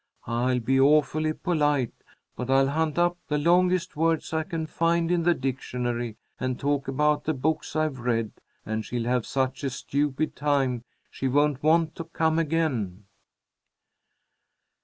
I'll be awfully polite, but I'll hunt up the longest words I can find in the dictionary, and talk about the books I've read, and she'll have such a stupid time she won't want to come again."